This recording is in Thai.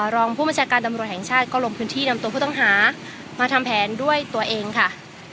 รองผู้บัญชาการตำรวจแห่งชาติก็ลงพื้นที่นำตัวผู้ต้องหามาทำแผนด้วยตัวเองค่ะ